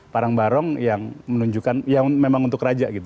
parang barong yang menunjukkan ya memang untuk raja gitu